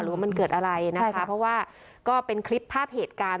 ว่ามันเกิดอะไรนะคะเพราะว่าก็เป็นคลิปภาพเหตุการณ์